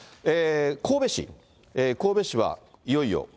神戸市、神戸市はいよいよ。